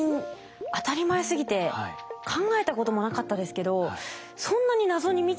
当たり前すぎて考えたこともなかったですけどそんなに謎に満ちてるんですね。